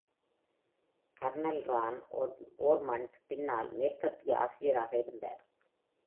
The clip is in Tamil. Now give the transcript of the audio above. கர்னல் ரான் ஓர்மண்ட், பின்னால், மேற்கத்திய ஆசிரியராக இருந்தார்.